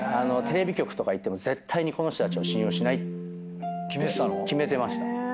テレビ局とか行っても絶対にこの人たちを信用しないって決めてました。